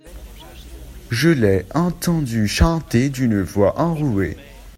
je l'ai entendu chanter d'une voix enrouée.